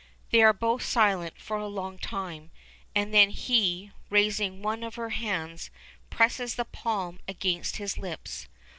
They are both silent for a long time, and then he, raising one of her hands, presses the palm against his lips.